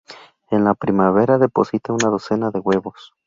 En la primavera deposita una docena de huevos.